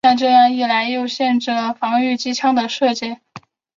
但这样一来又限制了防御机枪的射界。